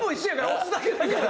押すだけだから。